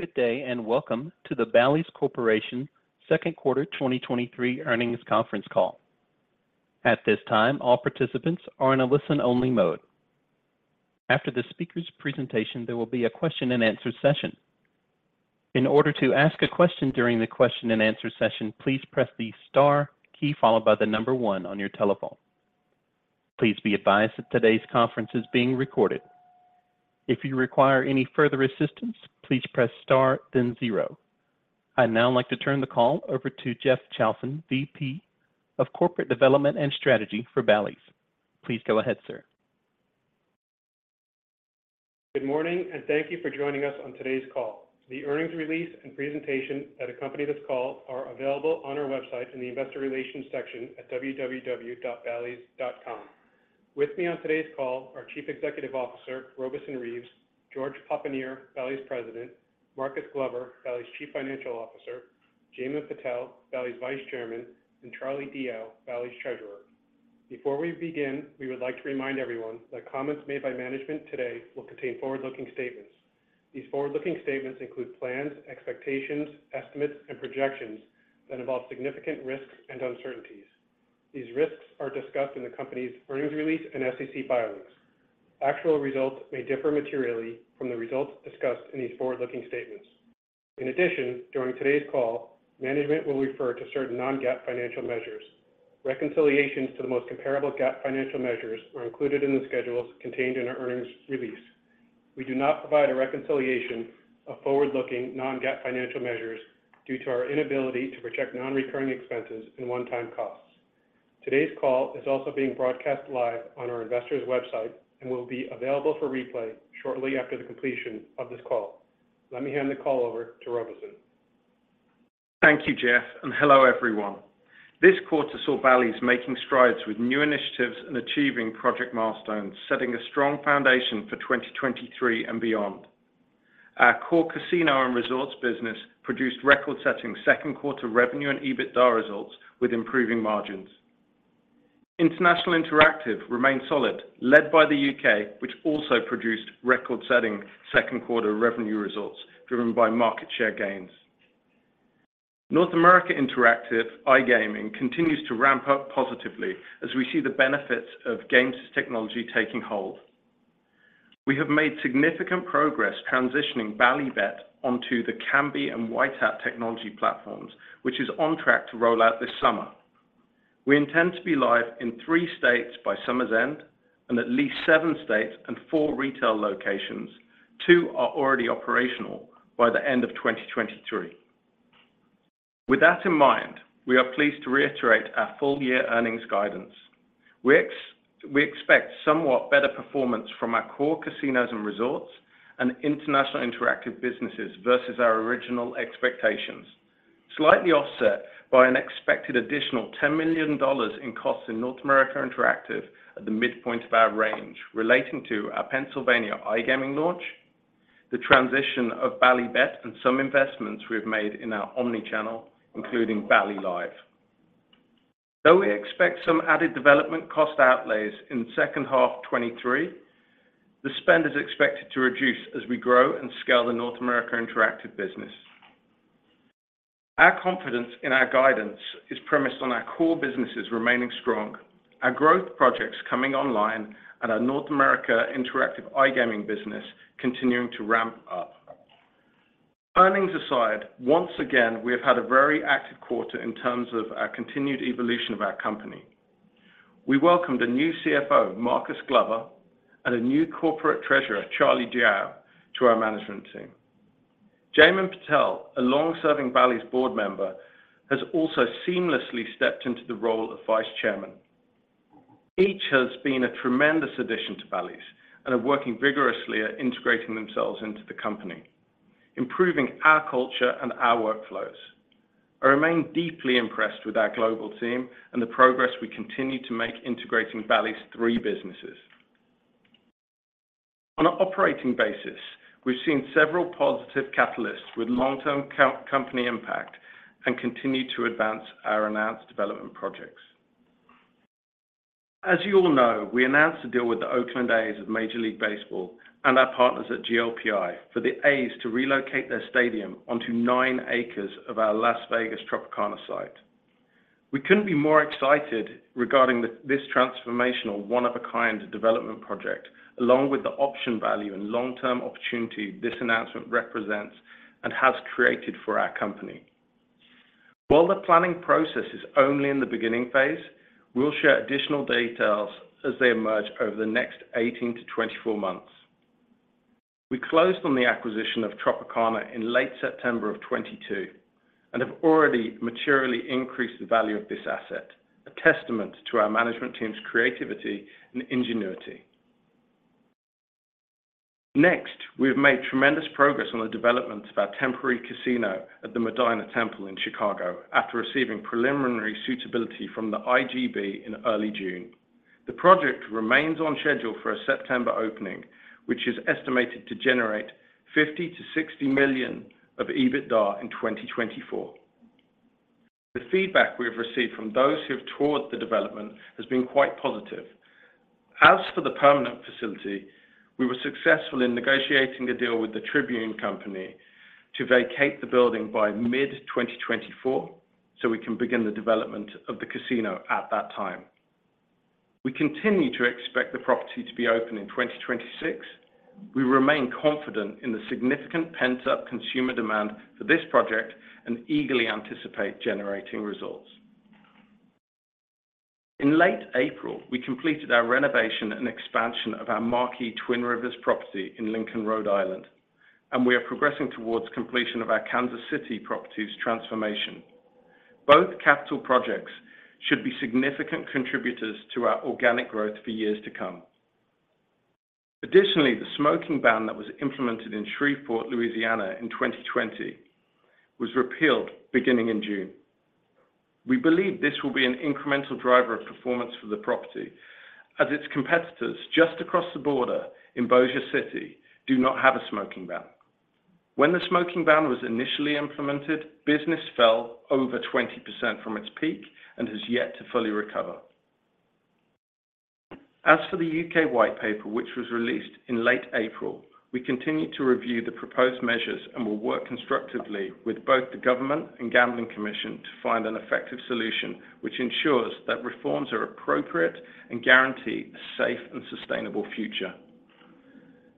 Good day, and welcome to the Bally's second quarter 2023 earnings conference call. At this time, all participants are in a listen-only mode. After the speaker's presentation, there will be a question and answer session. In order to ask a question during the question and answer session, please press the star key followed by the number one on your telephone. Please be advised that today's conference is being recorded. If you require any further assistance, please press Star, then zero. I'd now like to turn the call over to Jeff Chalson, VP of Corporate Development and Strategy for Bally's. Please go ahead, sir. Good morning, thank you for joining us on today's call. The earnings release and presentation at a company this call are available on our website in the Investor Relations section at www.ballys.com. With me on today's call, our Chief Executive Officer, Robeson Reeves, George Papanier, Bally's President, Marcus Glover, Bally's Chief Financial Officer, Jaymin Patel, Bally's Vice Chairman, and Charlie Diao, Bally's Treasurer. Before we begin, we would like to remind everyone that comments made by management today will contain forward-looking statements. These forward-looking statements include plans, expectations, estimates, and projections that involve significant risks and uncertainties. These risks are discussed in the company's earnings release and SEC filings. Actual results may differ materially from the results discussed in these forward-looking statements. During today's call, management will refer to certain non-GAAP financial measures. Reconciliations to the most comparable GAAP financial measures are included in the schedules contained in our earnings release. We do not provide a reconciliation of forward-looking non-GAAP financial measures due to our inability to project non-recurring expenses and one-time costs. Today's call is also being broadcast live on our investor's website and will be available for replay shortly after the completion of this call. Let me hand the call over to Robeson. Thank you, Jeff, and hello, everyone. This quarter saw Bally's making strides with new initiatives and achieving project milestones, setting a strong foundation for 2023 and beyond. Our core casino and resorts business produced record-setting second quarter revenue and EBITDA results with improving margins. International Interactive remains solid, led by the UK, which also produced record-setting second quarter revenue results, driven by market share gains. North America Interactive iGaming continues to ramp up positively as we see the benefits of Gamesys technology taking hold. We have made significant progress transitioning Bally Bet onto the Kambi and White Hat technology platforms, which is on track to roll out this summer. We intend to be live in three states by summer's end and at least seven states and four retail locations. two are already operational by the end of 2023. With that in mind, we are pleased to reiterate our full-year earnings guidance. We expect somewhat better performance from our core casinos and resorts and International Interactive businesses versus our original expectations, slightly offset by an expected additional $10 million in costs in North America Interactive at the midpoint of our range, relating to our Pennsylvania iGaming launch, the transition of Bally Bet, and some investments we've made in our omni-channel, including Bally Live. Though we expect some added development cost outlays in second half 2023, the spend is expected to reduce as we grow and scale the North America Interactive business. Our confidence in our guidance is premised on our core businesses remaining strong, our growth projects coming online, and our North America Interactive iGaming business continuing to ramp up. Earnings aside, once again, we have had a very active quarter in terms of our continued evolution of our company. We welcomed a new CFO, Marcus Glover, and a new corporate treasurer, Charlie Diao, to our management team. Jaymin Patel, a long-serving Bally's board member, has also seamlessly stepped into the role of Vice Chairman. Each has been a tremendous addition to Bally's and are working vigorously at integrating themselves into the company, improving our culture and our workflows. I remain deeply impressed with our global team and the progress we continue to make integrating Bally's three businesses. On an operating basis, we've seen several positive catalysts with long-term co- company impact and continue to advance our announced development projects. As you all know, we announced a deal with the Oakland A's of Major League Baseball and our partners at GLPI for the A's to relocate their stadium onto nine acres of our Las Vegas Tropicana site. We couldn't be more excited regarding this transformational, one-of-a-kind development project, along with the option value and long-term opportunity this announcement represents and has created for our company. While the planning process is only in the beginning phase, we'll share additional details as they emerge over the next 18-24 months. We closed on the acquisition of Tropicana in late September of 2022 and have already materially increased the value of this asset, a testament to our management team's creativity and ingenuity. Next, we have made tremendous progress on the development of our temporary casino at the Medinah Temple in Chicago after receiving preliminary suitability from the IGB in early June. The project remains on schedule for a September opening, which is estimated to generate $50 million-$60 million of EBITDA in 2024. The feedback we have received from those who have toured the development has been quite positive. As for the permanent facility, we were successful in negotiating a deal with the Tribune Company to vacate the building by mid-2024, so we can begin the development of the casino at that time. We continue to expect the property to be open in 2026. We remain confident in the significant pent-up consumer demand for this project and eagerly anticipate generating results. In late April, we completed our renovation and expansion of our marquee Twin River property in Lincoln, Rhode Island, and we are progressing towards completion of our Kansas City property's transformation. Both capital projects should be significant contributors to our organic growth for years to come. Additionally, the smoking ban that was implemented in Shreveport, Louisiana, in 2020, was repealed beginning in June. We believe this will be an incremental driver of performance for the property, as its competitors just across the border in Bossier City, do not have a smoking ban. When the smoking ban was initially implemented, business fell over 20% from its peak and has yet to fully recover. As for the UK White Paper, which was released in late April, we continue to review the proposed measures and will work constructively with both the government and Gambling Commission to find an effective solution, which ensures that reforms are appropriate and guarantee a safe and sustainable future.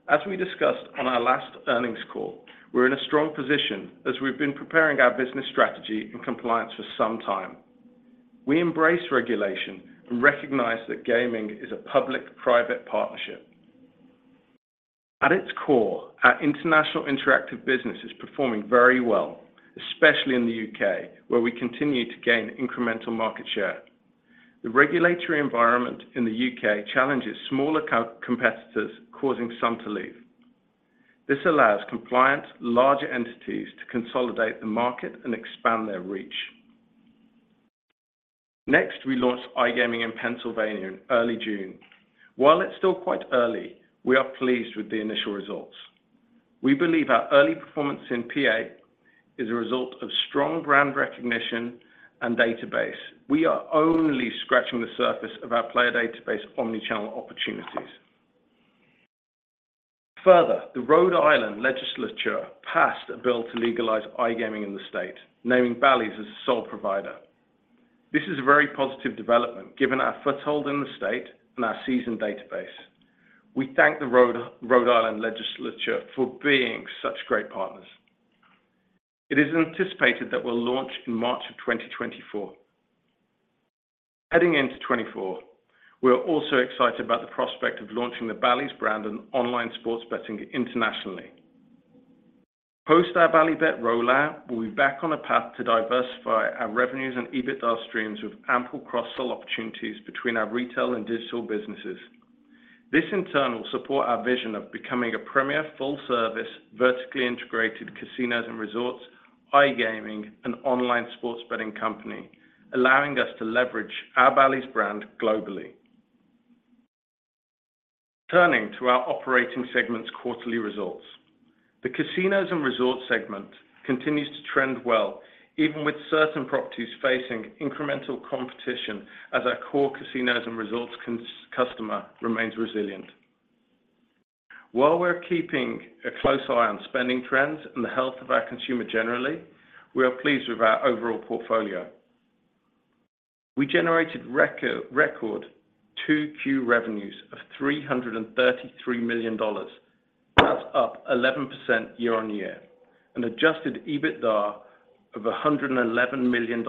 As we discussed on our last earnings call, we're in a strong position as we've been preparing our business strategy and compliance for some time. We embrace regulation and recognize that gaming is a public-private partnership. At its core, our International Interactive business is performing very well, especially in the UK, where we continue to gain incremental market share. The regulatory environment in the UK challenges smaller co- competitors, causing some to leave. This allows compliant, larger entities to consolidate the market and expand their reach. Next, we launched iGaming in Pennsylvania in early June. While it's still quite early, we are pleased with the initial results. We believe our early performance in PA is a result of strong brand recognition and database. We are only scratching the surface of our player database omni-channel opportunities. The Rhode Island Legislature passed a bill to legalize iGaming in the state, naming Bally's as the sole provider. This is a very positive development, given our foothold in the state and our seasoned database. We thank the Rhode Island Legislature for being such great partners. It is anticipated that we'll launch in March of 2024. Heading into 2024, we are also excited about the prospect of launching the Bally's brand and online sports betting internationally. Post our Bally Bet rollout, we'll be back on a path to diversify our revenues and EBITDA streams with ample cross-sell opportunities between our retail and digital businesses. This in turn will support our vision of becoming a premier, full-service, vertically integrated casinos and resorts, iGaming, and online sports betting company, allowing us to leverage our Bally's brand globally. Turning to our operating segment's quarterly results. The casinos and resorts segment continues to trend well, even with certain properties facing incremental competition as our core casinos and resorts customer remains resilient. While we're keeping a close eye on spending trends and the health of our consumer generally, we are pleased with our overall portfolio. We generated record, record 2Q revenues of $333 million. That's up 11% year-on-year, an adjusted EBITDA of $111 million,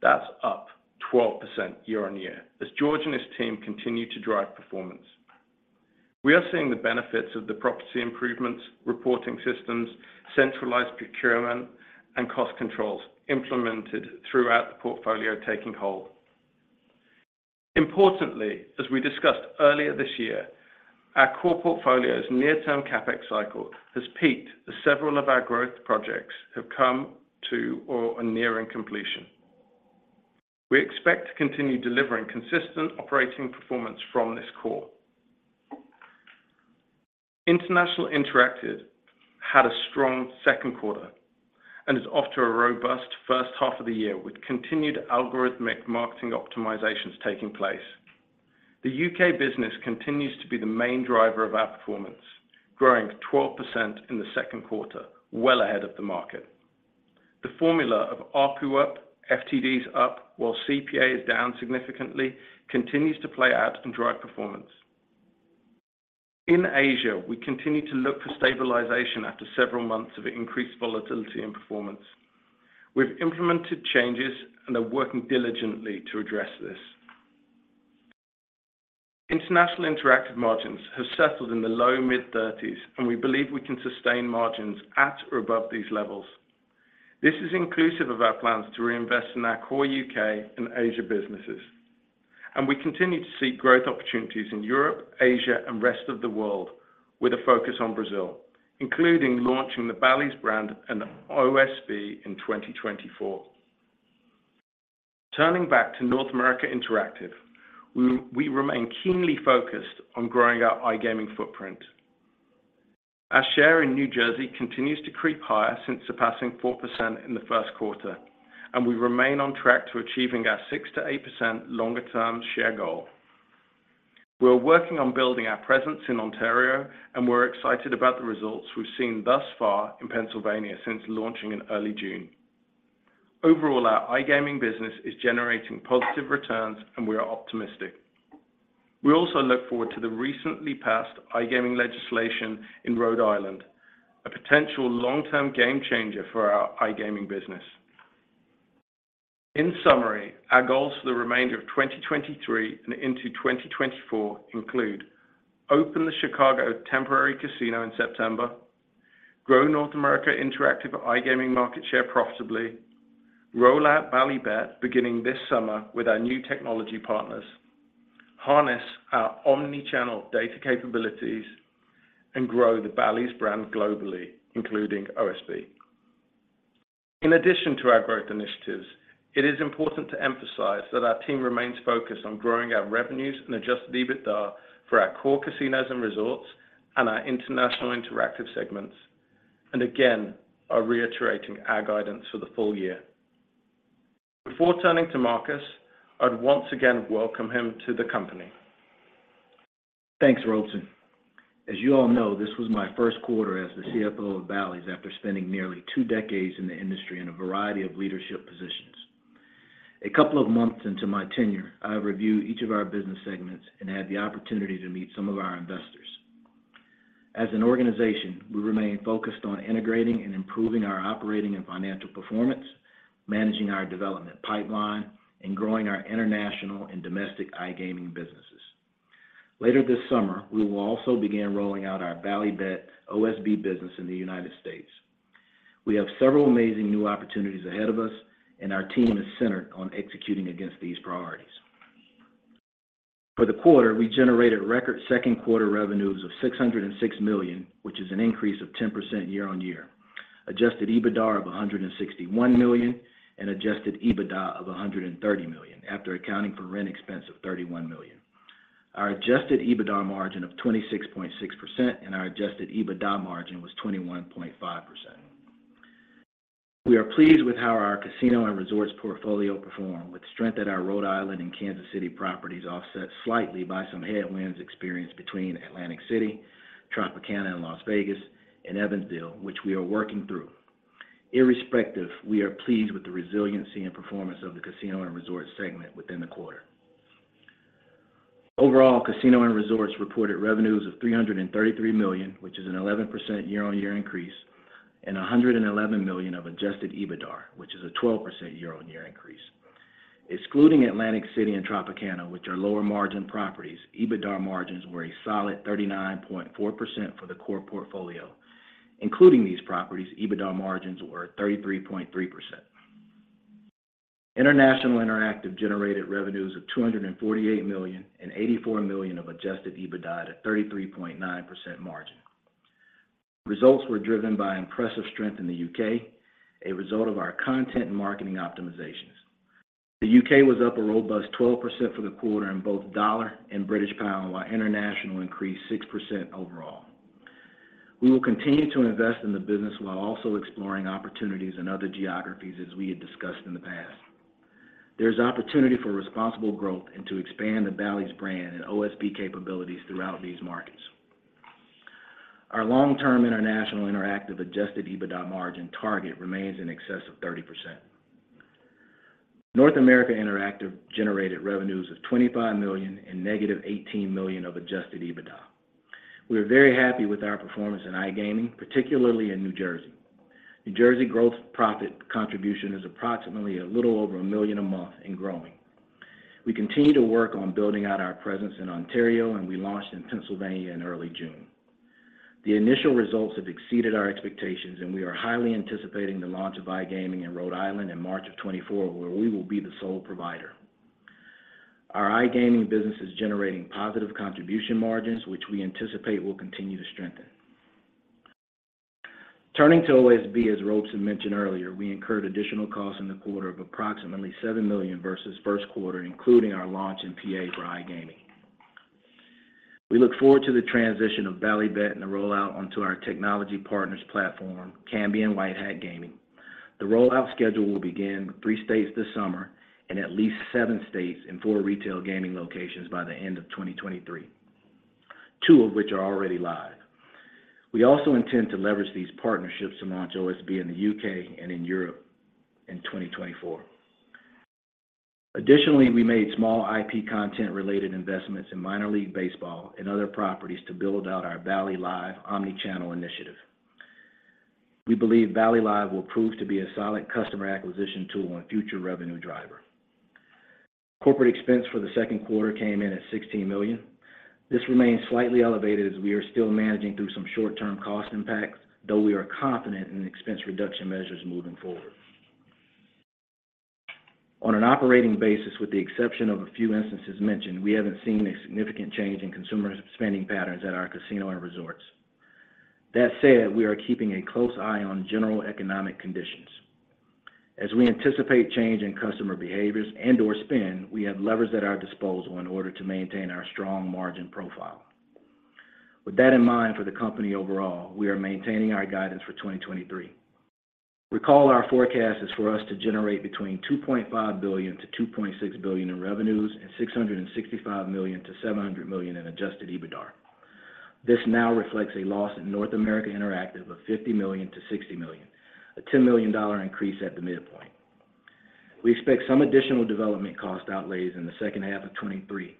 that's up 12% year-on-year, as George and his team continue to drive performance. We are seeing the benefits of the property improvements, reporting systems, centralized procurement, and cost controls implemented throughout the portfolio taking hold. Importantly, as we discussed earlier this year, our core portfolio's near-term CapEx cycle has peaked as several of our growth projects have come to or are nearing completion. We expect to continue delivering consistent operating performance from this core. International Interactive had a strong second quarter and is off to a robust first half of the year, with continued algorithmic marketing optimizations taking place. The UK business continues to be the main driver of our performance, growing 12% in the second quarter, well ahead of the market. The formula of ARPU up, FTDs up, while CPA is down significantly, continues to play out and drive performance. In Asia, we continue to look for stabilization after several months of increased volatility and performance. We've implemented changes and are working diligently to address this. International Interactive margins have settled in the low mid-30s, and we believe we can sustain margins at or above these levels. This is inclusive of our plans to reinvest in our core UK and Asia businesses. We continue to seek growth opportunities in Europe, Asia, and rest of the world with a focus on Brazil, including launching the Bally's brand and OSB in 2024. Turning back to North America Interactive, we remain keenly focused on growing our iGaming footprint. Our share in New Jersey continues to creep higher since surpassing 4% in the 1st quarter. We remain on track to achieving our 6%-8% longer-term share goal. We are working on building our presence in Ontario. We're excited about the results we've seen thus far in Pennsylvania since launching in early June. Overall, our iGaming business is generating positive returns, and we are optimistic. We also look forward to the recently passed iGaming legislation in Rhode Island, a potential long-term game changer for our iGaming business. In summary, our goals for the remainder of 2023 and into 2024 include: open the Chicago temporary casino in September, grow North America Interactive iGaming market share profitably, roll out Bally Bet beginning this summer with our new technology partners, harness our omni-channel data capabilities, and grow the Bally's brand globally, including OSB. In addition to our growth initiatives, it is important to emphasize that our team remains focused on growing our revenues and adjusted EBITDA for our core casinos and resorts and our International Interactive segments, and again, are reiterating our guidance for the full year. Before turning to Marcus, I'd once again welcome him to the company. Thanks, Robeson. As you all know, this was my first quarter as the CFO of Bally's, after spending nearly two decades in the industry in a variety of leadership positions. A couple of months into my tenure, I have reviewed each of our business segments and had the opportunity to meet some of our investors. As an organization, we remain focused on integrating and improving our operating and financial performance, managing our development pipeline, and growing our international and domestic iGaming businesses. Later this summer, we will also begin rolling out our Bally Bet OSB business in the United States. We have several amazing new opportunities ahead of us, and our team is centered on executing against these priorities. For the quarter, we generated record second quarter revenues of $606 million, which is an increase of 10% year-on-year. Adjusted EBITDA of $161 million, and Adjusted EBITDA of $130 million, after accounting for rent expense of $31 million. Our Adjusted EBITDA margin of 26.6%, and our Adjusted EBITDA margin was 21.5%. We are pleased with how our casino and resorts portfolio performed, with strength at our Rhode Island and Kansas City properties, offset slightly by some headwinds experienced between Atlantic City, Tropicana, and Las Vegas and Evansville, which we are working through. Irrespective, we are pleased with the resiliency and performance of the casino and resort segment within the quarter. Overall, casino and resorts reported revenues of $333 million, which is an 11% year-on-year increase, and $111 million of Adjusted EBITDA, which is a 12% year-on-year increase. Excluding Atlantic City and Tropicana, which are lower-margin properties, EBITDA margins were a solid 39.4% for the core portfolio. Including these properties, EBITDA margins were 33.3%. International Interactive generated revenues of $248 million and $84 million of adjusted EBITDA at 33.9% margin. Results were driven by impressive strength in the UK, a result of our content and marketing optimizations. The UK was up a robust 12% for the quarter in both dollar and British pound, while international increased 6% overall. We will continue to invest in the business while also exploring opportunities in other geographies, as we had discussed in the past. There's opportunity for responsible growth and to expand the Bally's brand and OSB capabilities throughout these markets. Our long-term International Interactive adjusted EBITDA margin target remains in excess of 30%. North America Interactive generated revenues of $25 million and negative $18 million of adjusted EBITDA. We are very happy with our performance in iGaming, particularly in New Jersey. New Jersey growth profit contribution is approximately a little over $1 million a month and growing. We continue to work on building out our presence in Ontario, and we launched in Pennsylvania in early June. The initial results have exceeded our expectations, and we are highly anticipating the launch of iGaming in Rhode Island in March of 2024, where we will be the sole provider. Our iGaming business is generating positive contribution margins, which we anticipate will continue to strengthen. Turning to OSB, as Robeson mentioned earlier, we incurred additional costs in the quarter of approximately $7 million versus first quarter, including our launch in PA for iGaming. We look forward to the transition of Bally Bet and the rollout onto our technology partners platform, Kambi and White Hat Gaming. The rollout schedule will begin with three states this summer and at least seven states and four retail gaming locations by the end of 2023, two of which are already live. We also intend to leverage these partnerships to launch OSB in the UK and in Europe in 2024. Additionally, we made small IP content-related investments in Minor League Baseball and other properties to build out our Bally Live omni-channel initiative. We believe Bally Live will prove to be a solid customer acquisition tool and future revenue driver. Corporate expense for the second quarter came in at $16 million. This remains slightly elevated as we are still managing through some short-term cost impacts, though we are confident in the expense reduction measures moving forward. On an operating basis, with the exception of a few instances mentioned, we haven't seen a significant change in consumer spending patterns at our casino and resorts. That said, we are keeping a close eye on general economic conditions. As we anticipate change in customer behaviors and or spend, we have levers at our disposal in order to maintain our strong margin profile. With that in mind, for the company overall, we are maintaining our guidance for 2023. Recall, our forecast is for us to generate between $2.5 billion-$2.6 billion in revenues, and $665 million-$700 million in adjusted EBITDAR. This now reflects a loss in North America Interactive of $50 million-$60 million, a $10 million increase at the midpoint. We expect some additional development cost outlays in the second half of 2023,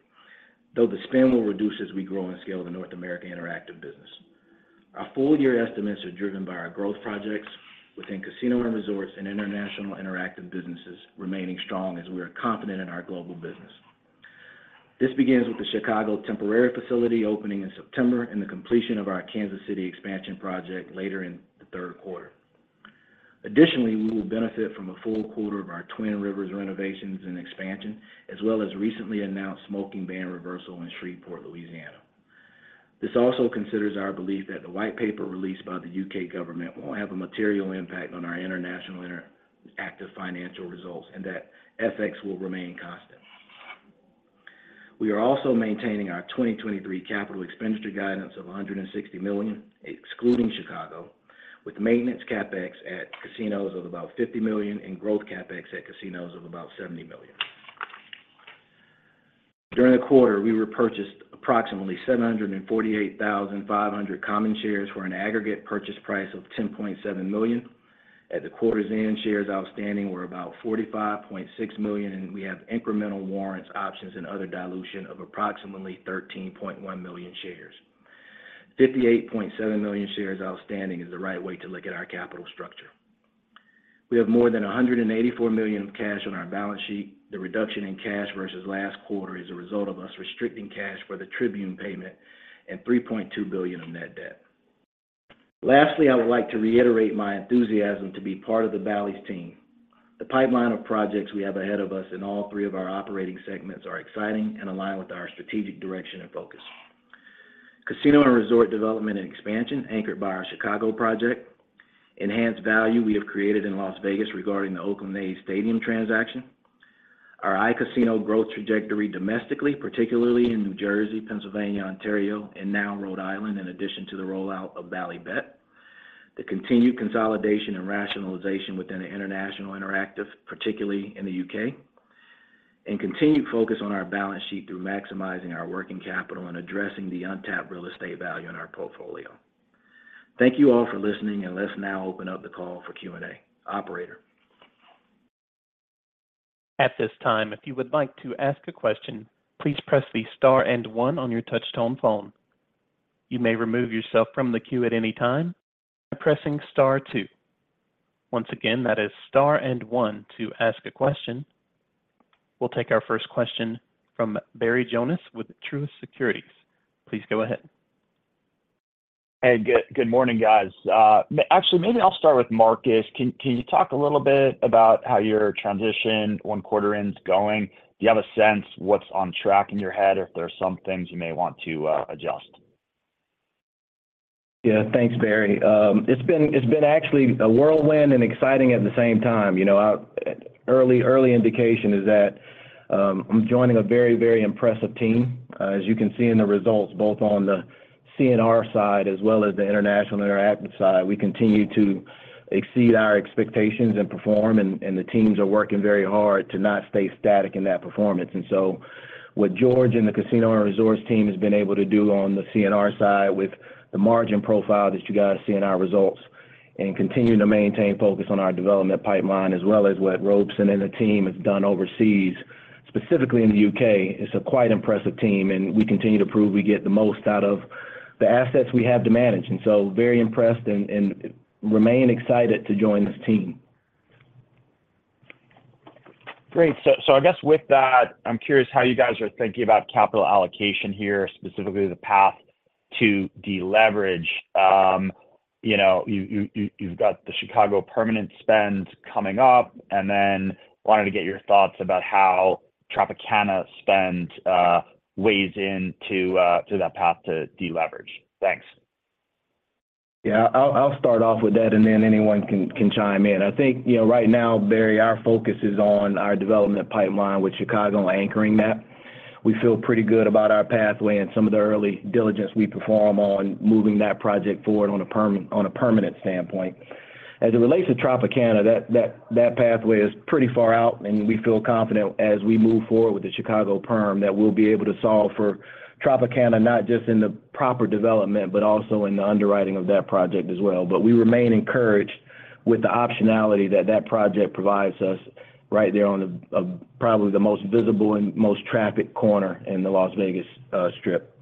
though the spend will reduce as we grow and scale the North America Interactive business. Our full year estimates are driven by our growth projects within casino and resorts and International Interactive businesses, remaining strong as we are confident in our global business. This begins with the Chicago temporary facility opening in September and the completion of our Kansas City expansion project later in the 3rd quarter. Additionally, we will benefit from a full quarter of our Twin River renovations and expansion, as well as recently announced smoking ban reversal in Shreveport, Louisiana. This also considers our belief that the UK White Paper released by the UK government won't have a material impact on our International Interactive financial results, and that FX will remain constant. We are also maintaining our 2023 capital expenditure guidance of $160 million, excluding Chicago, with maintenance CapEx at casinos of about $50 million, and growth CapEx at casinos of about $70 million. During the quarter, we repurchased approximately 748,500 common shares for an aggregate purchase price of $10.7 million. At the quarter's end, shares outstanding were about 45.6 million, and we have incremental warrants, options, and other dilution of approximately 13.1 million shares. 58.7 million shares outstanding is the right way to look at our capital structure. We have more than $184 million of cash on our balance sheet. The reduction in cash versus last quarter is a result of us restricting cash for the Tribune payment and $3.2 billion in net debt. Lastly, I would like to reiterate my enthusiasm to be part of the Bally's team. The pipeline of projects we have ahead of us in all three of our operating segments are exciting and align with our strategic direction and focus. Casino and resort development and expansion, anchored by our Chicago project, enhanced value we have created in Las Vegas regarding the Oakland Athletics stadium transaction, our iCasino growth trajectory domestically, particularly in New Jersey, Pennsylvania, Ontario, and now Rhode Island, in addition to the rollout of Bally Bet, the continued consolidation and rationalization within the International Interactive, particularly in the UK, and continued focus on our balance sheet through maximizing our working capital and addressing the untapped real estate value in our portfolio. Thank you all for listening, and let's now open up the call for Q&A. Operator? At this time, if you would like to ask a question, please press the star and one on your touchtone phone. You may remove yourself from the queue at any time by pressing star two. Once again, that is star and one to ask a question. We'll take our first question from Barry Jonas with Truist Securities. Please go ahead. Hey, good, good morning, guys. Actually, maybe I'll start with Marcus. Can, can you talk a little bit about how your transition one quarter in is going? Do you have a sense what's on track in your head, or if there are some things you may want to adjust? Yeah, thanks, Barry. It's been actually a whirlwind and exciting at the same time. You know, early, early indication is that, I'm joining a very, very impressive team. As you can see in the results, both on the CNR side as well as the International Interactive side, we continue to exceed our expectations and perform, and the teams are working very hard to not stay static in that performance. What George and the Casino and Resorts team has been able to do on the CNR side with the margin profile that you guys see in our results, and continuing to maintain focus on our development pipeline, as well as what Robeson Reeves and the team have done overseas, specifically in the UK, is a quite impressive team, and we continue to prove we get the most out of the assets we have to manage. So very impressed and remain excited to join this team. Great. So I guess with that, I'm curious how you guys are thinking about capital allocation here, specifically the path to deleverage. you know, you've got the Chicago permanent spend coming up, and then wanted to get your thoughts about how Tropicana spend weighs in to that path to deleverage. Thanks. Yeah, I'll, I'll start off with that, and then anyone can, can chime in. I think, you know, right now, Barry, our focus is on our development pipeline, with Chicago anchoring that. We feel pretty good about our pathway and some of the early diligence we perform on moving that project forward on a permanent standpoint. As it relates to Tropicana, that, that, that pathway is pretty far out, and we feel confident as we move forward with the Chicago perm, that we'll be able to solve for Tropicana, not just in the proper development, but also in the underwriting of that project as well. We remain encouraged with the optionality that that project provides us right there on, probably the most visible and most trafficked corner in the Las Vegas Strip.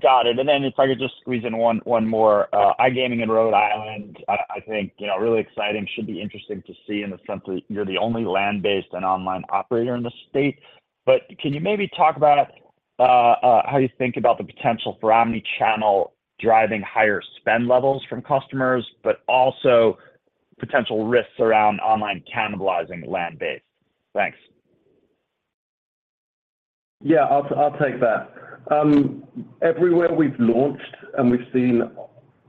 Got it. Then if I could just squeeze in one, one more. iGaming in Rhode Island, I, I think, you know, really exciting, should be interesting to see in the sense that you're the only land-based and online operator in the state. Can you maybe talk about how you think about the potential for omni-channel driving higher spend levels from customers, but also potential risks around online cannibalizing land-based? Thanks. Yeah, I'll, I'll take that. Everywhere we've launched and we've seen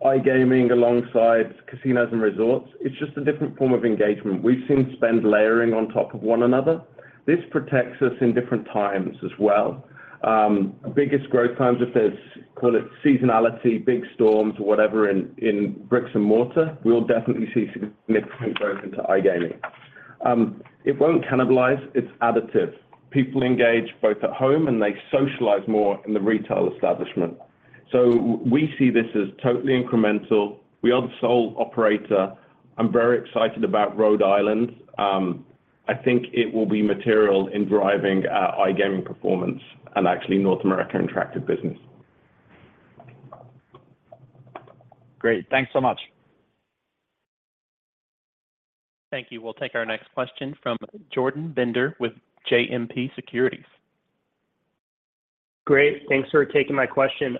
iGaming alongside casinos and resorts, it's just a different form of engagement. We've seen spend layering on top of one another. This protects us in different times as well. Biggest growth times, if there's, call it seasonality, big storms or whatever in, in bricks and mortar, we'll definitely see significant growth into iGaming. It won't cannibalize, it's additive. People engage both at home, and they socialize more in the retail establishment. We see this as totally incremental. We are the sole operator. I'm very excited about Rhode Island. I think it will be material in driving our iGaming performance and actually North American Interactive business. Great. Thanks so much. Thank you. We'll take our next question from Jordan Bender with JMP Securities. Great. Thanks for taking my question.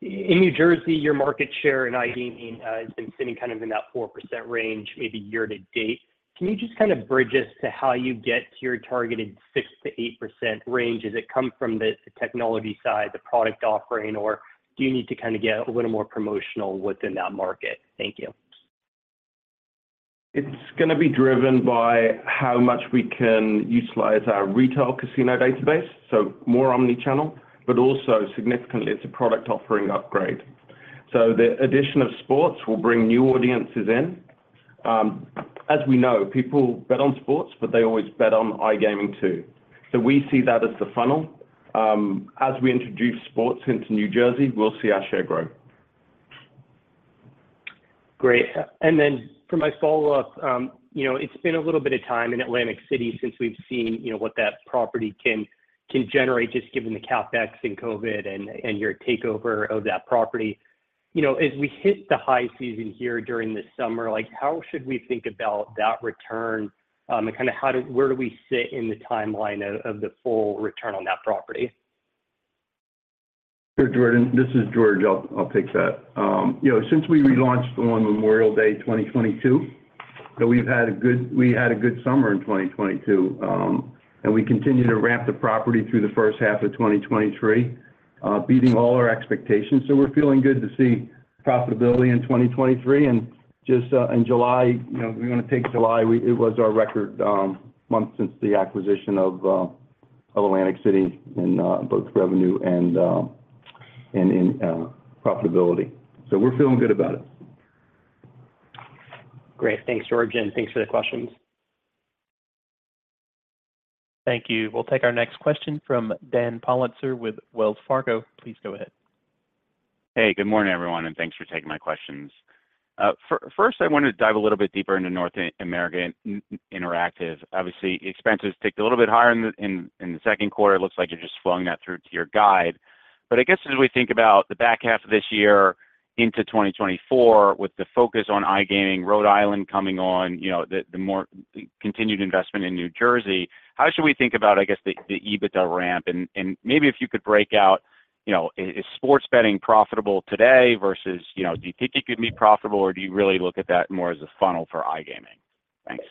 In New Jersey, your market share in iGaming has been sitting kind of in that 4% range, maybe year-to-date. Can you just kind of bridge us to how you get to your targeted 6%-8% range? Does it come from the, the technology side, the product offering, or do you need to kind of get a little more promotional within that market? Thank you. It's gonna be driven by how much we can utilize our retail casino database, so more omni-channel, but also significantly, it's a product offering upgrade. The addition of sports will bring new audiences in. As we know, people bet on sports, but they always bet on iGaming too. We see that as the funnel. As we introduce sports into New Jersey, we'll see our share grow. Great. Then for my follow-up, you know, it's been a little bit of time in Atlantic City since we've seen, you know, what that property can, can generate, just given the CapEx and COVID and, and your takeover of that property. You know, as we hit the high season here during the summer, like, how should we think about that return, and kinda how do where do we sit in the timeline of, of the full return on that property? Sure, Jordan. This is George. I'll, I'll take that. You know, since we relaunched on Memorial Day 2022, we had a good summer in 2022, and we continue to ramp the property through the first half of 2023, beating all our expectations. We're feeling good to see profitability in 2023, and just, in July, you know, we're gonna take July, we- it was our record, month since the acquisition of Atlantic City in both revenue and profitability. We're feeling good about it. Great. Thanks, George, and thanks for the questions. Thank you. We'll take our next question from Daniel Politzer with Wells Fargo. Please go ahead. Hey, good morning, everyone, and thanks for taking my questions. First, I wanted to dive a little bit deeper into North America Interactive. Obviously, expenses ticked a little bit higher in the second quarter. It looks like you're just flowing that through to your guide. I guess as we think about the back half of this year into 2024, with the focus on iGaming, Rhode Island coming on, you know, the, the more, the continued investment in New Jersey, how should we think about, I guess, the, the EBITDA ramp? Maybe if you could break out, you know, is sports betting profitable today versus, you know, do you think it could be profitable, or do you really look at that more as a funnel for iGaming? Thanks.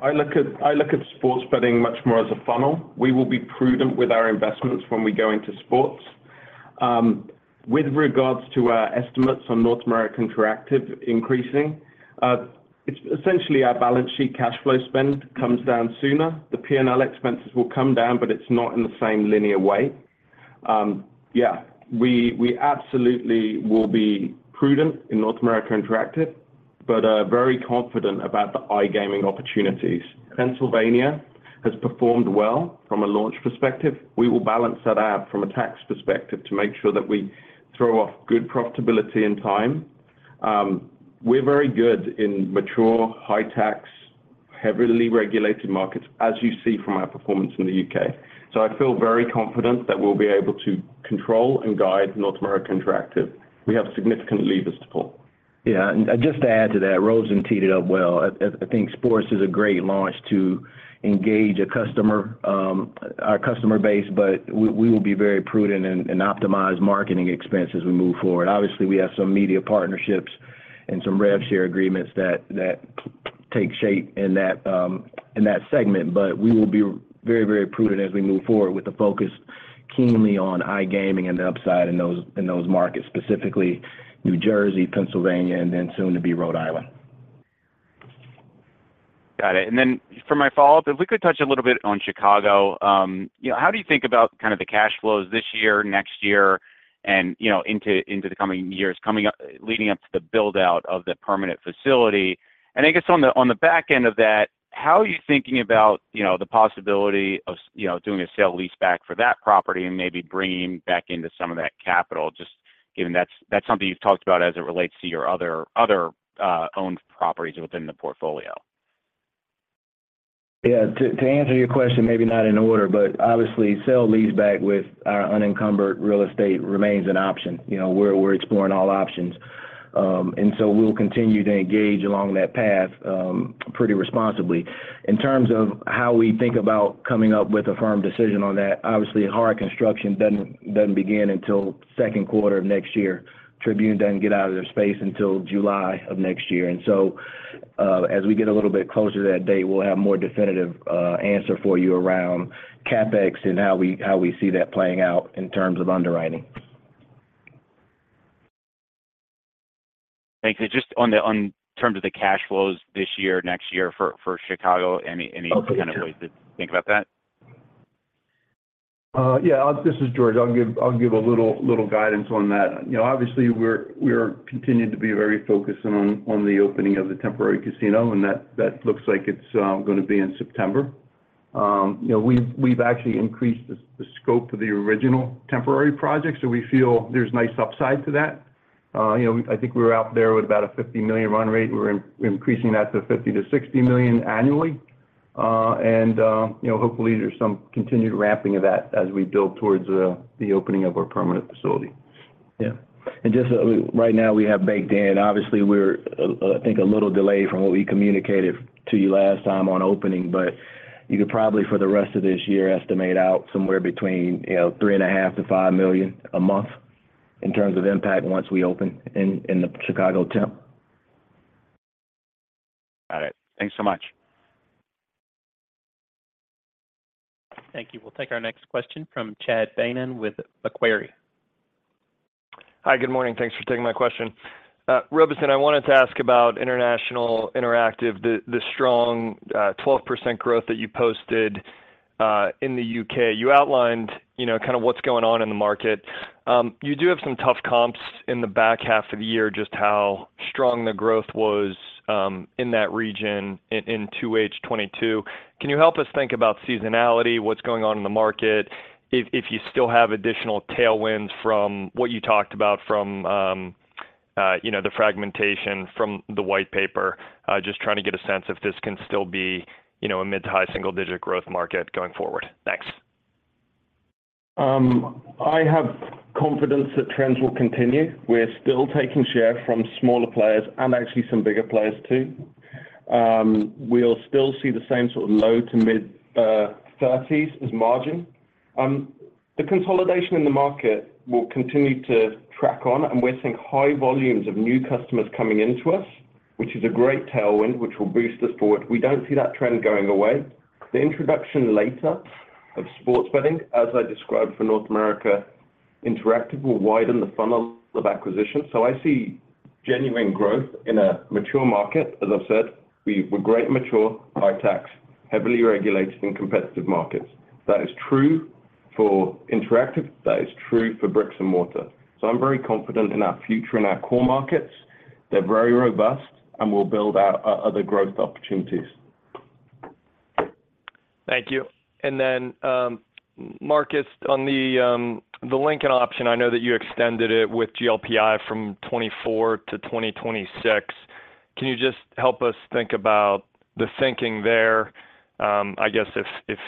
I look at, I look at sports betting much more as a funnel. We will be prudent with our investments when we go into sports. With regards to our estimates on North America Interactive increasing, it's essentially our balance sheet cash flow spend comes down sooner. The P&L expenses will come down, but it's not in the same linear way. Yeah, we, we absolutely will be prudent in North America Interactive, but very confident about the iGaming opportunities. Pennsylvania has performed well from a launch perspective. We will balance that out from a tax perspective to make sure that we throw off good profitability and time. We're very good in mature, high-tax, heavily regulated markets, as you see from our performance in the UK. I feel very confident that we'll be able to control and guide North America Interactive. We have significant levers to pull. Just to add to that, Robeson teed it up well. I think sports is a great launch to engage a customer, our customer base, but we, we will be very prudent and, and optimize marketing expenses as we move forward. Obviously, we have some media partnerships and some rev share agreements that, that take shape in that, in that segment, but we will be very, very prudent as we move forward with the focus keenly on iGaming and the upside in those, in those markets, specifically New Jersey, Pennsylvania, and then soon to be Rhode Island. Got it. For my follow-up, if we could touch a little bit on Chicago, you know, how do you think about kind of the cash flows this year, next year, and, you know, into, into the coming years, leading up to the build-out of the permanent facility? I guess on the, on the back end of that, how are you thinking about, you know, the possibility of, you know, doing a sale-leaseback for that property and maybe bringing back into some of that capital, just given that's, that's something you've talked about as it relates to your other, other, owned properties within the portfolio? Yeah, to, to answer your question, maybe not in order, but obviously, sale-leaseback with our unencumbered real estate remains an option. You know, we're, we're exploring all options. We'll continue to engage along that path pretty responsibly. In terms of how we think about coming up with a firm decision on that, obviously, hard construction doesn't, doesn't begin until second quarter of next year. Tribune doesn't get out of their space until July of next year, as we get a little bit closer to that date, we'll have a more definitive answer for you around CapEx and how we, how we see that playing out in terms of underwriting. Thanks. Just on the, on terms of the cash flows this year, next year for, for Chicago, any. Okay, sure. kind of ways to think about that? Yeah, I'll-- This is George. I'll give, I'll give a little, little guidance on that. You know, obviously, we're, we're continuing to be very focused on, on the opening of the temporary casino, and that, that looks like it's gonna be in September. You know, we've, we've actually increased the, the scope of the original temporary project, so we feel there's nice upside to that. You know, I think we were out there with about a $50 million run rate. We're increasing that to $50 million-$60 million annually. And, you know, hopefully, there's some continued ramping of that as we build towards the, the opening of our permanent facility. Yeah. Just, right now, we have baked in. Obviously, we're, I think, a little delayed from what we communicated to you last time on opening, but you could probably, for the rest of this year, estimate out somewhere between, you know, $3.5 million-$5 million a month in terms of impact once we open in the Chicago temp. Got it. Thanks so much. Thank you. We'll take our next question from Chad Beynon with Macquarie. Hi, good morning. Thanks for taking my question. Robeson, I wanted to ask about International Interactive, the, the strong 12% growth that you posted in the UK. You outlined, you know, kind of what's going on in the market. You do have some tough comps in the back half of the year, just how strong the growth was in that region in 2H22. Can you help us think about seasonality, what's going on in the market, if, if you still have additional tailwinds from what you talked about from, you know, the fragmentation from the White Paper? Just trying to get a sense if this can still be, you know, a mid to high single-digit growth market going forward. Thanks. I have confidence that trends will continue. We're still taking share from smaller players and actually some bigger players, too. We'll still see the same sort of low to mid 30s as margin. The consolidation in the market will continue to track on, and we're seeing high volumes of new customers coming into us, which is a great tailwind, which will boost us forward. We don't see that trend going away. The introduction later of sports betting, as I described for North America Interactive, will widen the funnel of acquisition. I see genuine growth in a mature market. As I've said, we're great mature, high tax, heavily regulated and competitive markets. That is true for interactive, that is true for bricks and mortar. I'm very confident in our future, in our core markets. They're very robust, and we'll build out other growth opportunities. Thank you. Then, Marcus, on the Lincoln option, I know that you extended it with GLPI from 2024 to 2026. Can you just help us think about the thinking there? I guess, if, if,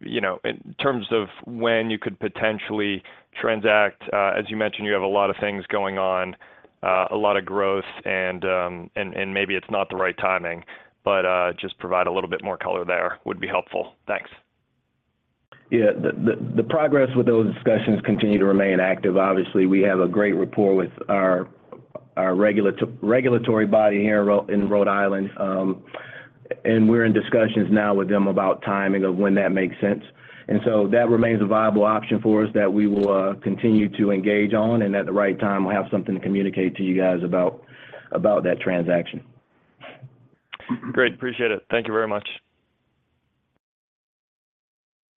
you know, in terms of when you could potentially transact, as you mentioned, you have a lot of things going on, a lot of growth, and, and maybe it's not the right timing, but, just provide a little bit more color there would be helpful. Thanks. Yeah, the progress with those discussions continue to remain active. Obviously, we have a great rapport with our, our regulatory body here in Rhode Island, and we're in discussions now with them about timing of when that makes sense. That remains a viable option for us that we will continue to engage on, and at the right time, we'll have something to communicate to you guys about, about that transaction. Great, appreciate it. Thank you very much.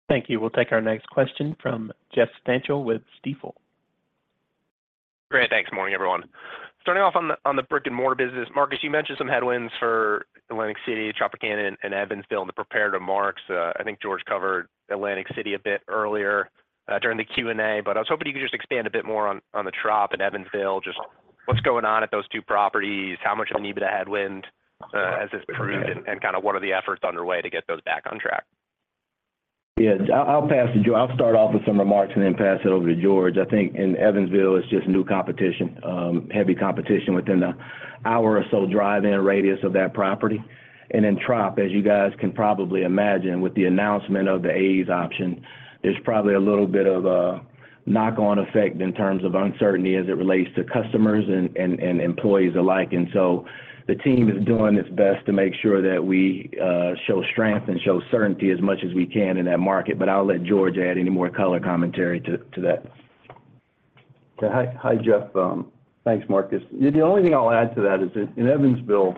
Thank you. We'll take our next question from Jeff Stantial with Stifel. Great, thanks. Morning, everyone. Starting off on the brick-and-mortar business, Marcus, you mentioned some headwinds for Atlantic City, Tropicana, and Evansville in the prepared remarks. I think George covered Atlantic City a bit earlier, during the Q&A, but I was hoping you could just expand a bit more on the Trop and Evansville, just what's going on at those two properties, how much of a negative headwind, as it's proved, and kind of what are the efforts underway to get those back on track? Yeah, I'll, I'll pass to Geo... I'll start off with some remarks and then pass it over to George. I think in Evansville, it's just new competition, heavy competition within the one hour or so drive-in radius of that property. Then Trop, as you guys can probably imagine, with the announcement of the A's option, there's probably a little bit of a knock-on effect in terms of uncertainty as it relates to customers and employees alike. So the team is doing its best to make sure that we, show strength and show certainty as much as we can in that market. I'll let George add any more color commentary to that. Hi, hi, Jeff. Thanks, Marcus. The only thing I'll add to that is that in Evansville,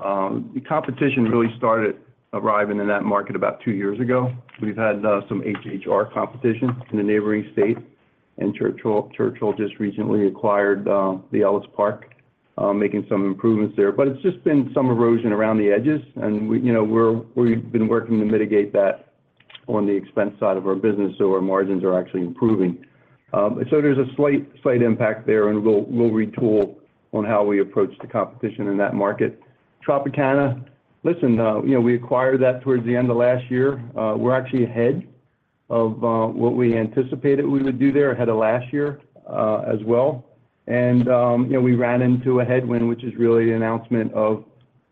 the competition really started arriving in that market about two years ago. We've had some HHR competition in a neighboring state. Churchill, Churchill just recently acquired the Ellis Park, making some improvements there. It's just been some erosion around the edges, and we, you know, we've been working to mitigate that on the expense side of our business, so our margins are actually improving. There's a slight, slight impact there, and we'll retool on how we approach the competition in that market. Tropicana, listen, you know, we acquired that towards the end of last year. We're actually ahead of what we anticipated we would do there, ahead of last year, as well. You know, we ran into a headwind, which is really the announcement of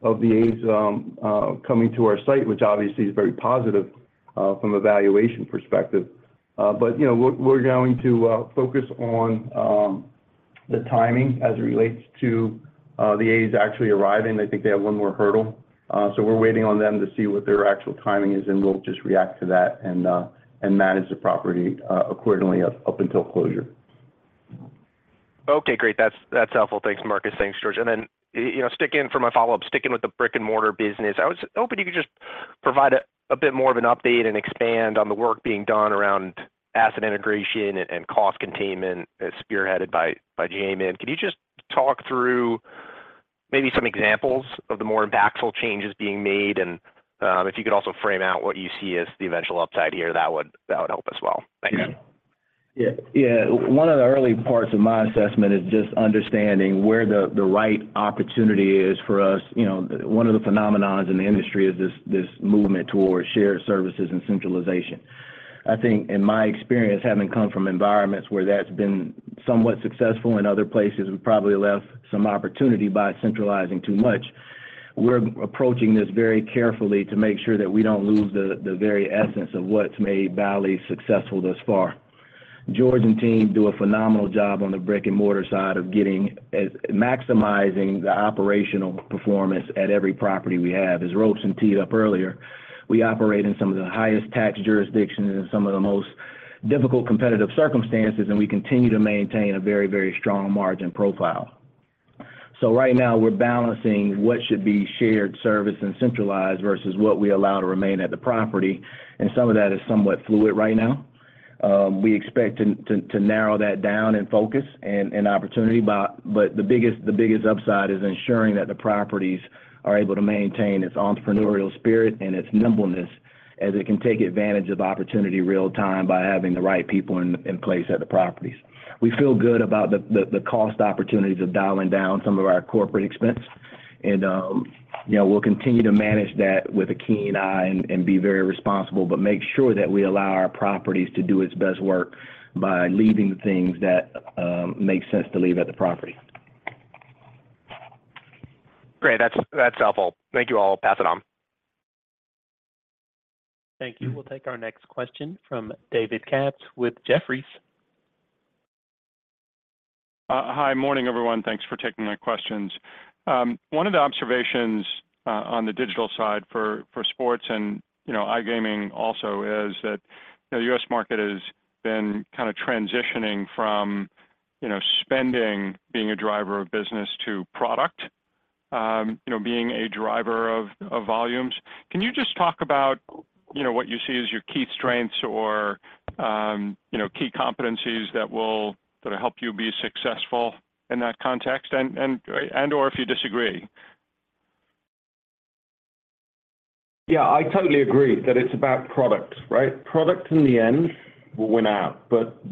the A's coming to our site, which obviously is very positive from a valuation perspective. You know, we're, we're going to focus on,... the timing as it relates to, the A's actually arriving, I think they have one more hurdle. We're waiting on them to see what their actual timing is, and we'll just react to that and, and manage the property, accordingly up, up until closure. Okay, great. That's, that's helpful. Thanks, Marcus. Thanks, George. Then, you know, sticking for my follow-up, sticking with the brick-and-mortar business, I was hoping you could just provide a bit more of an update and expand on the work being done around asset integration and cost containment as spearheaded by Jaymin. Can you just talk through maybe some examples of the more impactful changes being made? If you could also frame out what you see as the eventual upside here, that would help as well. Thank you. Yeah. Yeah, one of the early parts of my assessment is just understanding where the, the right opportunity is for us. You know, one of the phenomenons in the industry is this, this movement towards shared services and centralization. I think in my experience, having come from environments where that's been somewhat successful in other places, we've probably left some opportunity by centralizing too much. We're approaching this very carefully to make sure that we don't lose the, the very essence of what's made Bally's successful thus far. George and team do a phenomenal job on the brick-and-mortar side of maximizing the operational performance at every property we have. As Robeson teed up earlier, we operate in some of the highest tax jurisdictions and some of the most difficult competitive circumstances, we continue to maintain a very, very strong margin profile. Right now we're balancing what should be shared service and centralized versus what we allow to remain at the property, and some of that is somewhat fluid right now. We expect to narrow that down and focus and opportunity, but the biggest upside is ensuring that the properties are able to maintain its entrepreneurial spirit and its nimbleness as it can take advantage of opportunity real time by having the right people in place at the properties. We feel good about the cost opportunities of dialing down some of our corporate expense, and, you know, we'll continue to manage that with a keen eye and be very responsible, but make sure that we allow our properties to do its best work by leaving the things that make sense to leave at the property. Great. That's, that's helpful. Thank you all. Pass it on. Thank you. We'll take our next question from David Katz with Jefferies. Hi. Morning, everyone. Thanks for taking my questions. One of the observations, on the digital side for, for sports and, you know, iGaming also is that, you know, U.S. market has been kinda transitioning from, you know, spending being a driver of business to product, you know, being a driver of, of volumes. Can you just talk about, you know, what you see as your key strengths or, you know, key competencies that help you be successful in that context and/or if you disagree? Yeah, I totally agree that it's about product, right? Product in the end will win out.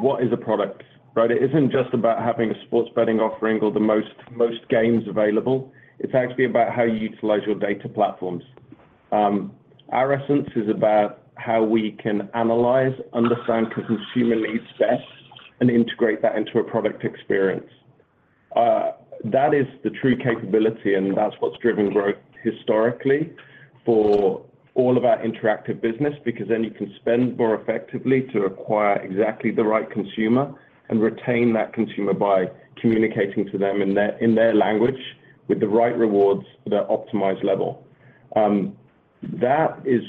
What is a product, right? It isn't just about having a sports betting offering or the most, most games available, it's actually about how you utilize your data platforms. Our essence is about how we can analyze, understand consumer needs best, and integrate that into a product experience. That is the true capability, and that's what's driven growth historically for all of our interactive business, because then you can spend more effectively to acquire exactly the right consumer and retain that consumer by communicating to them in their, in their language, with the right rewards, their optimized level. That is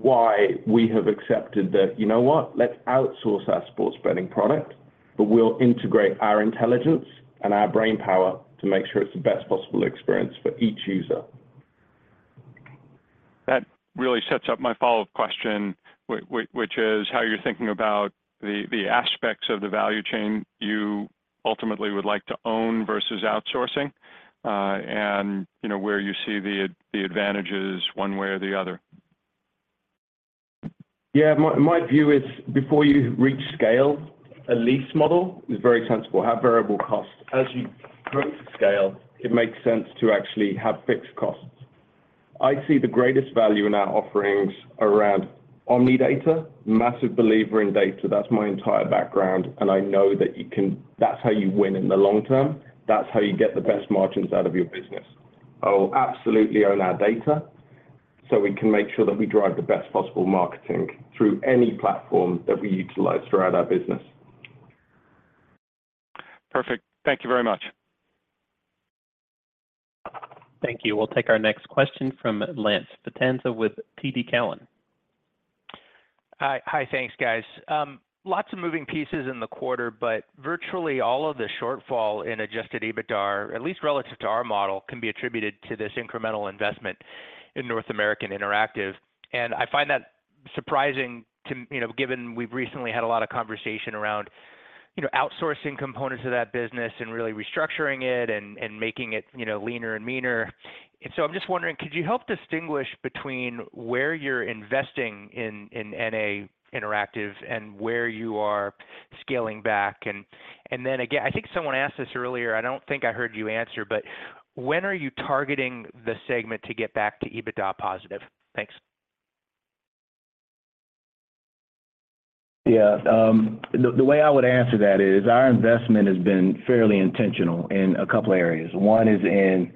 why we have accepted that, you know what? Let's outsource our sports betting product. We'll integrate our intelligence and our brainpower to make sure it's the best possible experience for each user. That really sets up my follow-up question, which is, how you're thinking about the, the aspects of the value chain you ultimately would like to own versus outsourcing, and, you know, where you see the advantages one way or the other? Yeah, my, my view is, before you reach scale, a lease model is very sensible. Have variable costs. As you grow to scale, it makes sense to actually have fixed costs. I see the greatest value in our offerings around omnidata. Massive believer in data. That's my entire background, and I know that's how you win in the long term. That's how you get the best margins out of your business. I will absolutely own our data, so we can make sure that we drive the best possible marketing through any platform that we utilize throughout our business. Perfect. Thank you very much. Thank you. We'll take our next question from Lance Vitanza with TD Cowen. Hi. Hi, thanks, guys. Lots of moving pieces in the quarter, but virtually all of the shortfall in Adjusted EBITDA, at least relative to our model, can be attributed to this incremental investment in North America Interactive. I find that surprising to, you know, given we've recently had a lot of conversation around, you know, outsourcing components of that business and really restructuring it and making it, you know, leaner and meaner. I'm just wondering, could you help distinguish between where you're investing in, in NA Interactive and where you are scaling back? Again, I think someone asked this earlier, I don't think I heard you answer, but when are you targeting the segment to get back to EBITDA positive? Thanks. Yeah, the way I would answer that is, our investment has been fairly intentional in a couple areas. One is in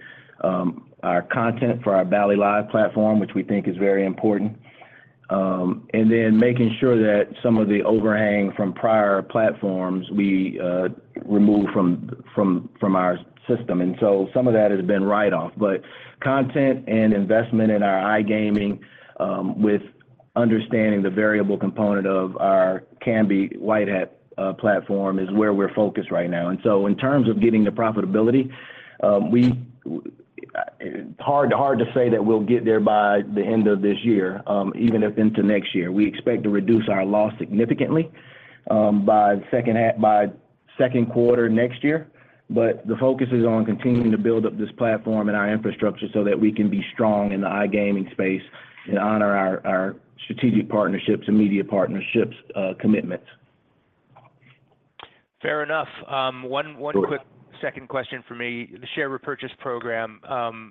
our content for our Bally Live platform, which we think is very important. Then making sure that some of the overhang from prior platforms, we remove from, from, from our system. So some of that has been write-off. Content and investment in our iGaming, with understanding the variable component of our Kambi White Hat platform is where we're focused right now. So in terms of getting to profitability, it's hard, hard to say that we'll get there by the end of this year, even if into next year. We expect to reduce our loss significantly, by second half-- by second quarter next year. The focus is on continuing to build up this platform and our infrastructure so that we can be strong in the iGaming space and honor our, our strategic partnerships and media partnerships, commitments. Fair enough. one. Sure. quick 2nd question for me. The share repurchase program,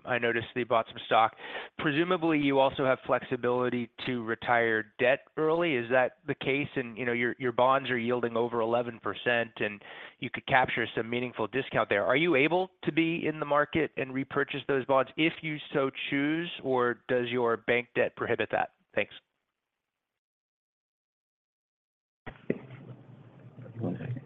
I noticed that you bought some stock. Presumably, you also have flexibility to retire debt early. Is that the case? You know, your, your bonds are yielding over 11%, and you could capture some meaningful discount there. Are you able to be in the market and repurchase those bonds if you so choose, or does your bank debt prohibit that? Thanks. One second.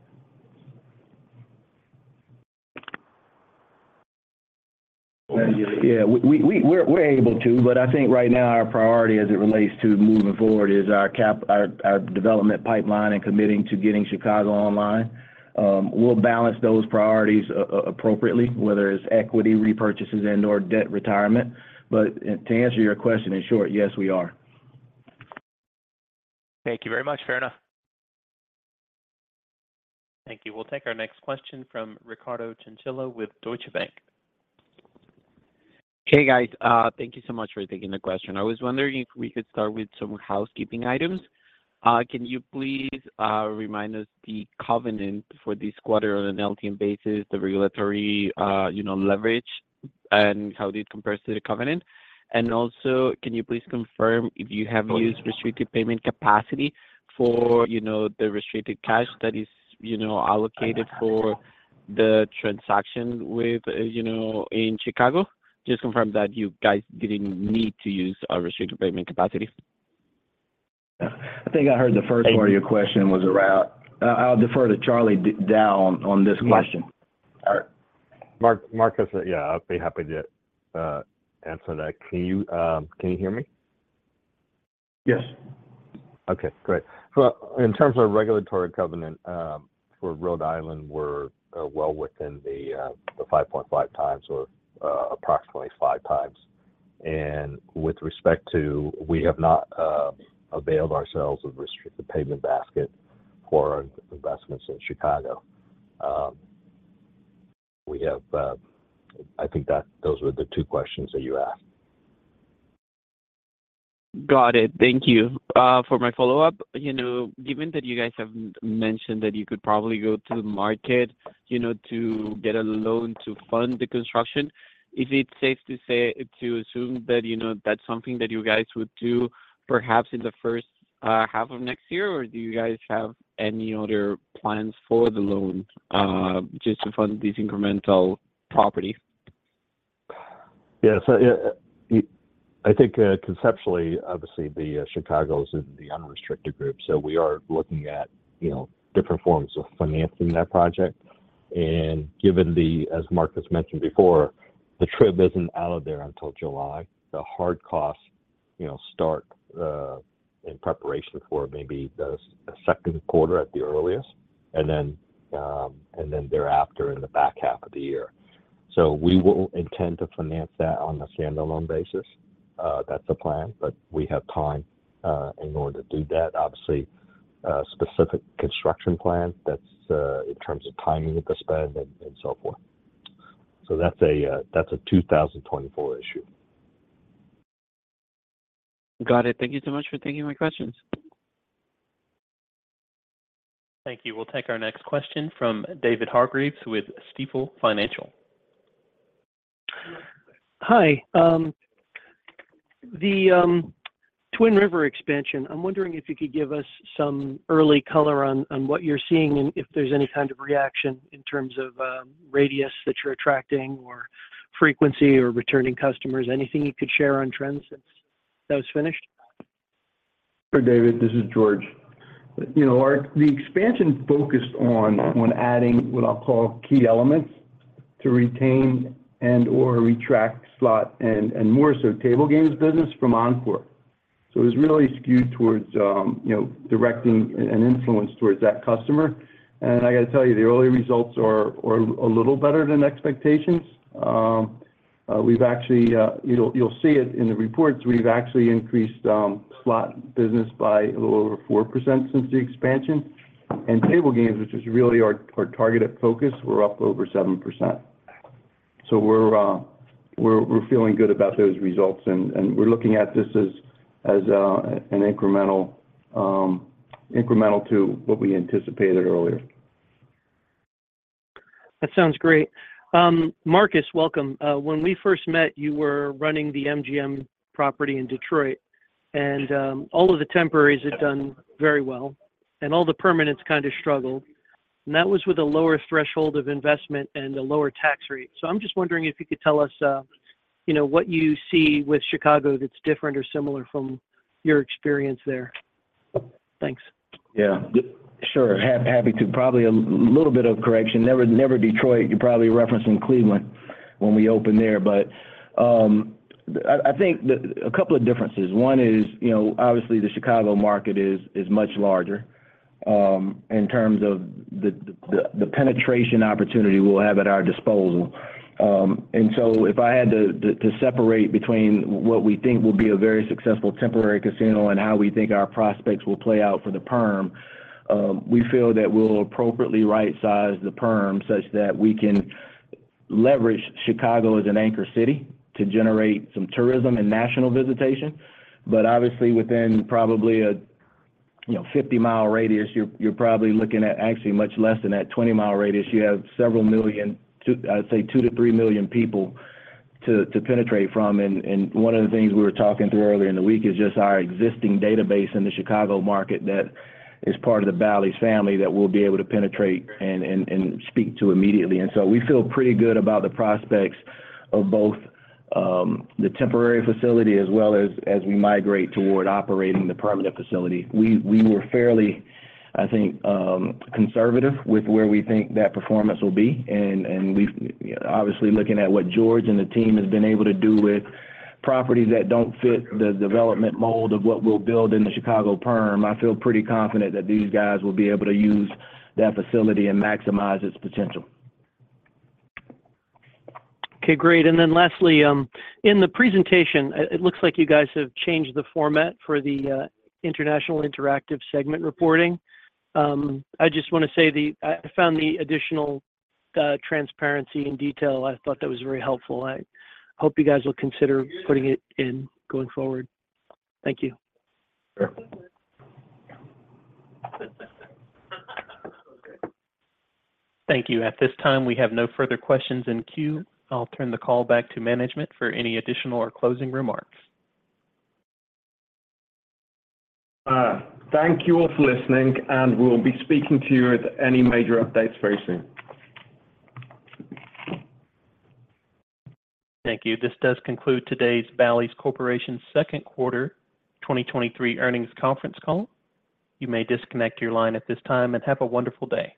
Yeah, we, we, we're, we're able to, but I think right now, our priority as it relates to moving forward is our, our development pipeline and committing to getting Chicago online. We'll balance those priorities appropriately, whether it's equity repurchases and/or debt retirement. To answer your question in short, yes, we are. Thank you very much. Fair enough. Thank you. We'll take our next question from Ricardo Chinchilla with Deutsche Bank. Hey, guys. Thank you so much for taking the question. I was wondering if we could start with some housekeeping items. Can you please remind us the covenant for this quarter on an LTM basis, the regulatory, you know, leverage, and how it compares to the covenant? Also, can you please confirm if you have used- Oh, yeah.... restricted payment capacity for, you know, the restricted cash that is, you know, allocated for the transaction with, you know, in Chicago? Just confirm that you guys didn't need to use a restricted payment capacity. Yeah. I think I heard the first part- Thank you. -of your question was around... I'll defer to Charlie Diao on this question. Yes. All right. Mark, Marcus, yeah, I'd be happy to answer that. Can you, can you hear me? Yes. Okay, great. In terms of regulatory covenant, for Rhode Island, we're well within the 5.5 times or approximately five times. With respect to, we have not availed ourselves of restricted payment basket for our investments in Chicago. We have, I think that those were the two questions that you asked. Got it. Thank you. For my follow-up, you know, given that you guys have mentioned that you could probably go to the market, you know, to get a loan to fund the construction, is it safe to say, to assume that, you know, that's something that you guys would do perhaps in the first half of next year? Or do you guys have any other plans for the loan, just to fund these incremental properties? Yeah. I think conceptually, obviously, Chicago's in the unrestricted group, we are looking at, you know, different forms of financing that project. Given the, as Marcus mentioned before, the Trib isn't out of there until July, the hard costs, you know, start in preparation for maybe the second quarter at the earliest, and then thereafter in the back half of the year. We will intend to finance that on a standalone basis. That's the plan, but we have time in order to do that. Obviously, specific construction plans, that's in terms of timing of the spend and so forth. That's a 2024 issue. Got it. Thank you so much for taking my questions. Thank you. We'll take our next question from David Hargreaves with Stifel. Hi. The Twin River expansion, I'm wondering if you could give us some early color on, on what you're seeing and if there's any kind of reaction in terms of radius that you're attracting or frequency or returning customers, anything you could share on trends since that was finished? Sure, David, this is George. You know, the expansion focused on, on adding what I'll call key elements to retain and/or retract slot and, and more so, table games business from Encore. It's really skewed towards, you know, directing an influence towards that customer. I got to tell you, the early results are, are a little better than expectations. We've actually, you'll, you'll see it in the reports, we've actually increased slot business by a little over 4% since the expansion. Table games, which is really our, our targeted focus, we're up over 7%. We're, we're, we're feeling good about those results, and, and we're looking at this as, as an incremental, incremental to what we anticipated earlier. That sounds great. Marcus, welcome. When we first met, you were running the MGM property in Detroit, and all of the temporaries have done very well, and all the permanents kind of struggled. That was with a lower threshold of investment and a lower tax rate. I'm just wondering if you could tell us, you know, what you see with Chicago that's different or similar from your experience there? Thanks. Yeah. Sure, happy to. Probably a little bit of correction. Never, never Detroit. You're probably referencing Cleveland when we opened there. I think a couple of differences. One is, you know, obviously, the Chicago market is much larger in terms of the penetration opportunity we'll have at our disposal. So if I had to separate between what we think will be a very successful temporary casino and how we think our prospects will play out for the perm, we feel that we'll appropriately right-size the perm such that we can leverage Chicago as an anchor city to generate some tourism and national visitation. Obviously, within probably a, you know, 50-mile radius, you're probably looking at actually much less than that 20-mile radius. You have several million, two million-three million people to penetrate from. One of the things we were talking through earlier in the week is just our existing database in the Chicago market that is part of the Bally's family that we'll be able to penetrate and speak to immediately. So we feel pretty good about the prospects of both the temporary facility as well as, as we migrate toward operating the permanent facility. We, we were fairly, I think, conservative with where we think that performance will be. Obviously, looking at what George and the team has been able to do with properties that don't fit the development mold of what we'll build in the Chicago perm, I feel pretty confident that these guys will be able to use that facility and maximize its potential. Okay, great. Lastly, in the presentation, it looks like you guys have changed the format for the International Interactive segment reporting. I just want to say the I found the additional transparency and detail, I thought that was very helpful. I hope you guys will consider putting it in going forward. Thank you. Sure. Thank you. At this time, we have no further questions in queue. I'll turn the call back to management for any additional or closing remarks. Thank you all for listening, and we'll be speaking to you with any major updates very soon. Thank you. This does conclude today's Bally's second quarter 2023 earnings conference call. You may disconnect your line at this time, and have a wonderful day.